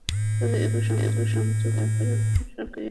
তবে এবার সংযোগ বন্ধের ব্যাপারে কোনো সরকারি আদেশ জারি করা হয়নি।